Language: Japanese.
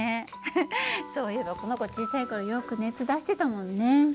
フフッそういえばこの子小さい頃よく熱出してたもんね。